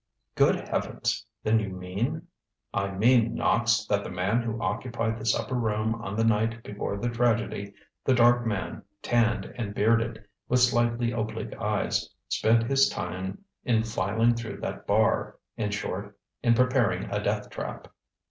ŌĆØ ŌĆ£Good heavens! Then you mean ŌĆØ ŌĆ£I mean, Knox, that the man who occupied the supper room on the night before the tragedy the dark man, tanned and bearded, with slightly oblique eyes spent his time in filing through that bar in short, in preparing a death trap!